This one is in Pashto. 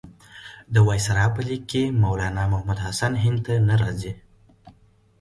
د وایسرا په لیک کې مولنا محمودالحسن هند ته نه راځي.